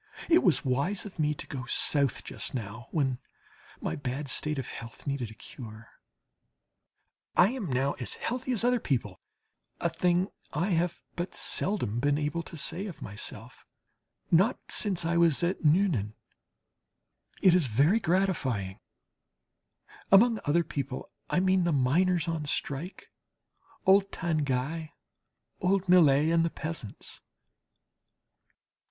It was wise of me to go South just now, when my bad state of health needed a cure. I am now as healthy as other people a thing I have but seldom been able to say of myself not since I was at Nuenen. It is very gratifying (among "other people," I mean, the miners on strike, old Tanguy, old Millet, and the peasants).